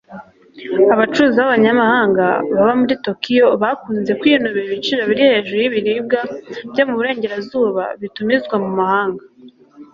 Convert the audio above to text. Abacuruzi b'abanyamahanga baba muri Tokiyo bakunze kwinubira ibiciro biri hejuru y'ibiribwa byo mu burengerazuba bitumizwa mu mahanga.